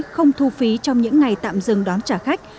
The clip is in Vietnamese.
không thu phí trong những ngày tạm dừng đón trả khách